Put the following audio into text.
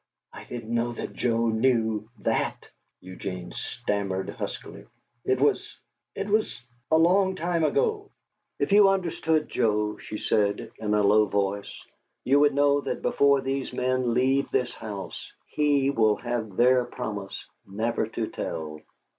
"I didn't know that Joe knew that!" Eugene stammered huskily. "It was it was a long time ago " "If you understood Joe," she said, in a low voice, "you would know that before these men leave this house, he will have their promise never to tell."